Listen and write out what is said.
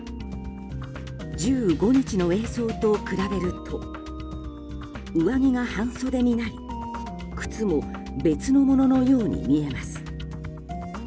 １５日の映像と比べると上着が半袖になり靴も別のもののように見えます。